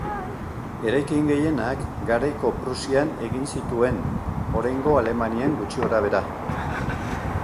Eraikin gehienak garaiko Prusian egin zituen, oraingo Alemanian gutxi gorabehera.